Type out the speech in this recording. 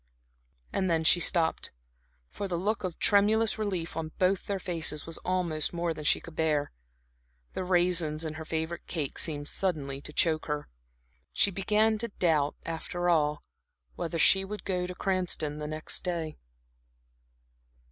And then she stopped, for the look of tremulous relief on both their faces was almost more than she could bear. The raisins in her favorite cake seemed suddenly to choke her. She began to doubt, after all, whether she would go to Cranston the next day.